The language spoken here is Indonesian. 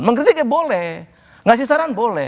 mengkritiknya boleh ngasih saran boleh